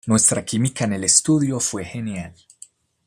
Nuestra química en el estudio fue genial.